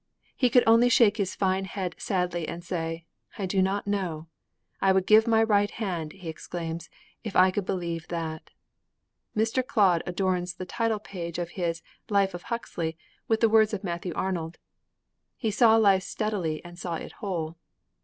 He could only shake his fine head sadly and say, 'I do not know!' 'I would give my right hand,' he exclaims, 'if I could believe that!' Mr. Clodd adorns the title page of his Life of Huxley with the words of Matthew Arnold: 'He saw life steadily and saw it whole.'